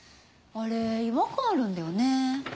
あれ違和感あるんだよね。